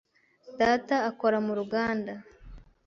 Data akora mu ruganda.